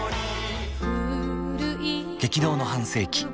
激動の半世紀